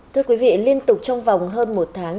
thưa quý vị liên tục trong vòng hơn một tháng